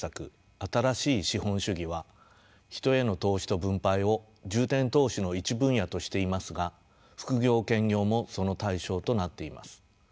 新しい資本主義は人への投資と分配を重点投資の一分野としていますが副業・兼業もその対象となっています。